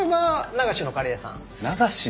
流しのカレー屋さん？